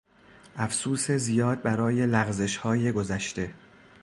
افسوس زیاد برای لغزشهای گذشته